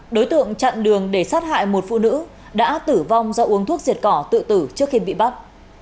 đối tượng chặn đường để sát hại một phụ nữ đã tử vong do uống thuốc diệt cỏ tự tử trước khi bị bắt